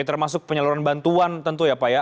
termasuk penyaluran bantuan tentu ya pak ya